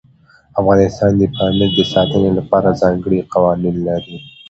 افغانستان د پامیر د ساتنې لپاره ځانګړي قوانین لري.